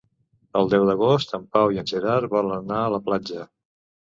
El deu d'agost en Pau i en Gerard volen anar a la platja.